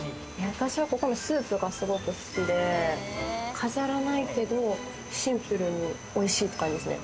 ここのスープがすごく好きで、飾らないけど、シンプルにおいしい。